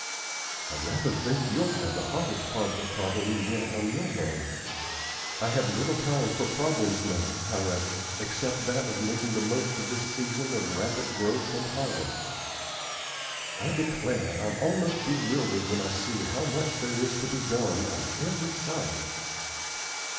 I rather think you'll have the hardest part of the problem yet on your hands. I have little time for problems now, however, except that of making the most of this season of rapid growth and harvest. I declare I'm almost bewildered when I see how much there is to be done on every side.